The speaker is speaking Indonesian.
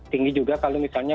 tinggi juga kalau misalnya